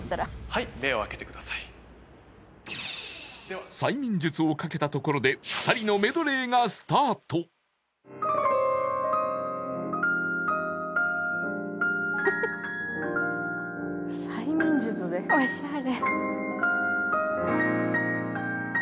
はい催眠術をかけたところで２人のメドレーがスタートするとさらに！